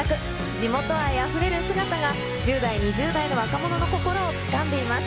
地元愛あふれる姿が１０代、２０代の若者の心をつかんでいます。